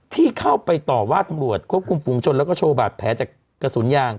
ที่เข้าไปต่อว่าตำรวจควบคุมฝุงชนแล้วก็โชว์บาดแผลจากกระสุนยาง